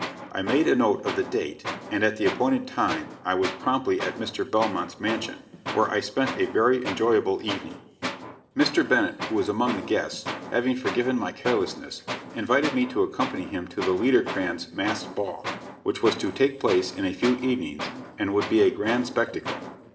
I made a note of the date, and at the appointed time I was promptly at Mr. Belmont's mansion, where I spent a very enjoyable evening. Mr. Bennett, who was among the guests, having forgiven my carelessness, invited me to accompany him to the Liederkranz masked ball, which was to take place in a few evenings, and would be a grand spectacle.